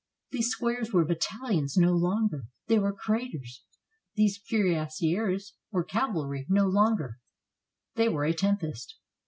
These squares were battalions no longer, they were craters ; these cuirassiers were cav alry no longer, they were a tempest.